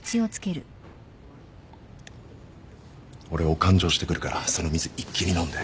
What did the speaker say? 俺お勘定してくるからその水一気に飲んで。